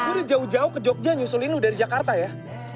akhirnya jauh jauh ke jogja nyusulin udah dari jakarta ya